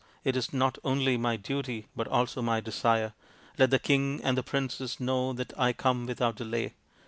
" It is not only my duty but also my desire. Let the king and the princess know that I come without delay."